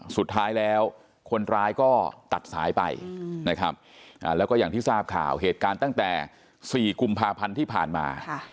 สุดท้ายแล้วคนร้ายก็ตัดสายไปนะครับแล้วก็อย่างที่ทราบข่าวเหตุการณ์ตั้งแต่๔กุมภาพันธ์ที่ผ่านมา